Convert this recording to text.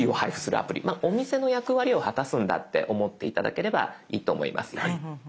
まあお店の役割を果たすんだって思って頂ければいいと思います。